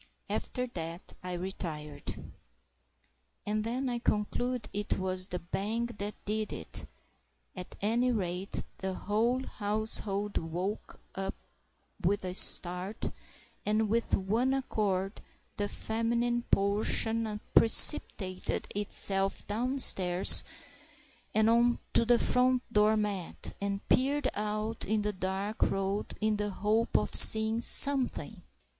After that I retired. And then I conclude it was the bang that did it; at any rate, the whole household woke with a start, and with one accord the feminine portion precipitated itself downstairs and on to the front door mat, and peered out into the dark road in the hope of seeing something!